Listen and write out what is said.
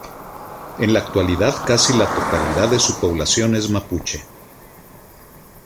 En la actualidad casi la totalidad de su población es mapuche.